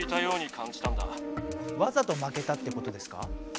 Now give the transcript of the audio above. わざとまけたってことですか？